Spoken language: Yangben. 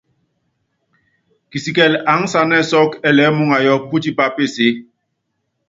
Kisikilɛ aánsanɛ́ sɔ́kɔ́ ɛɛlɛɛ́ muúŋayɔ́, pútipá peseé.